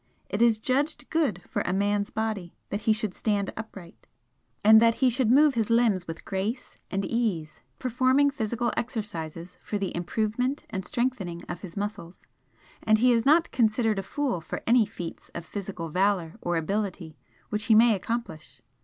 It is judged good for a man's body that he should stand upright, and that he should move his limbs with grace and ease, performing physical exercises for the improvement and strengthening of his muscles, and he is not considered a fool for any feats of physical valour or ability which he may accomplish.